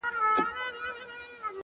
داده چا ښكلي ږغ كي ښكلي غوندي شعر اورمه ـ